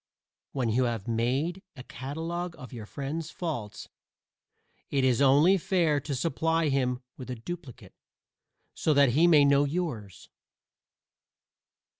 When you have made a catalogue of your friend's faults it is only fair to supply him with a duplicate, so that he may know yours.